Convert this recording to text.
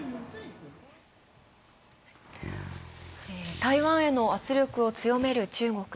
台湾への圧力を強める中国。